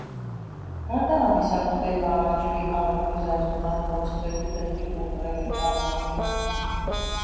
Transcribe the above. გარდა ამისა გვხვდება: არჩვი, ალპური ზაზუნა, ფოცხვერი, თეთრი კურდღელი, ყარყუმი.